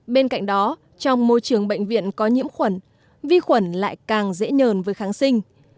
bên cạnh đó trong môi trường bệnh viện có nhiễm khuẩn vi khuẩn lại càng dễ nhờn với kháng sinh